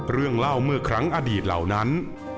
เรื่องเล่าเมื่อครั้งอดีตเหล่านั้น